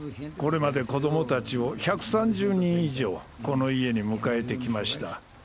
これまで子どもたちを１３０人以上この家に迎えてきました。